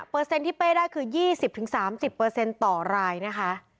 เปอร์เซ็นต์ที่เป้ได้คือ๒๐๓๐ต่อรายนะคะ